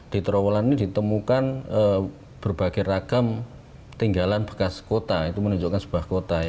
di terowongan ini ditemukan berbagai ragam tinggalan bekas kota itu menunjukkan sebuah kota